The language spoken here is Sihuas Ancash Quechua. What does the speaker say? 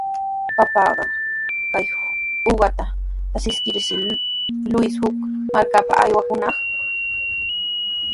Paypaq kaq uqata traskiskirshi Luis huk markapa aywakunaq.